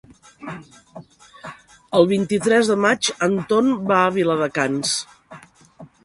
El vint-i-tres de maig en Ton va a Viladecans.